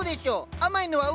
甘いのは上！